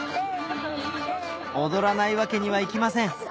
踊らないわけにはいきません